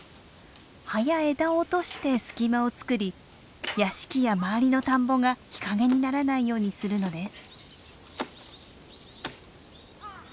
葉や枝を落として隙間を作り屋敷や周りの田んぼが日陰にならないようにするのです。